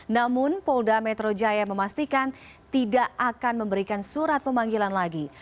namun polda metro jaya memastikan tidak akan memberikan surat pemanggilan lagi